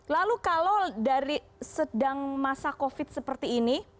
lalu kalau dari sedang masa covid seperti ini